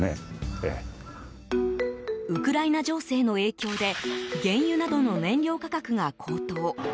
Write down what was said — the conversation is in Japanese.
ウクライナ情勢の影響で原油などの燃料価格が高騰。